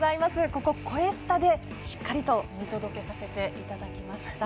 ここ「こえスタ」で、しっかりと見届けさせていただきました。